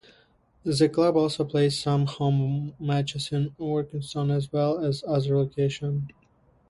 The club also play some home matches in Workington, as well as other locations.